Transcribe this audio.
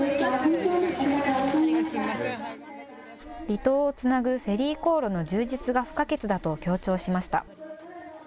離島をつなぐ、フェリー航路の充実が不可欠だと強調しました。